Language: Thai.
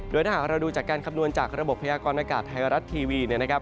โดยถ้าหากเราดูจากการคำนวณจากระบบพยากรณากาศไทยรัฐทีวีเนี่ยนะครับ